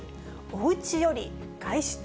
おうちより外出。